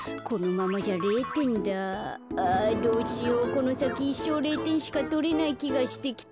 このさきいっしょう０てんしかとれないきがしてきた。